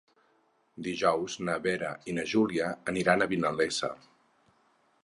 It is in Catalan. Dijous na Vera i na Júlia aniran a Vinalesa.